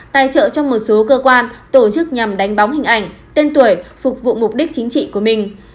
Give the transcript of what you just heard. tài trợ cho một số cơ quan tổ chức nhằm đánh bóng hình ảnh tên tuổi phục vụ mục đích chính trị của mình